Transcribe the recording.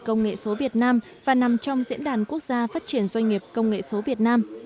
công nghệ số việt nam và nằm trong diễn đàn quốc gia phát triển doanh nghiệp công nghệ số việt nam